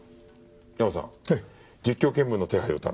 ヤマさん実況見分の手配を頼む。